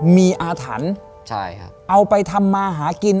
มีอาถรรพ์เอาไปทำมาหากิน